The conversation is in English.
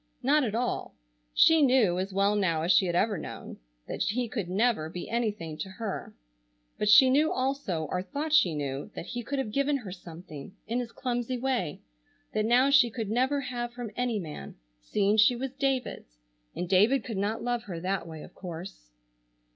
Not at all. She knew, as well now as she ever had known, that he could never be anything to her, but she knew also, or thought she knew, that he could have given her something, in his clumsy way, that now she could never have from any man, seeing she was David's and David could not love her that way, of course.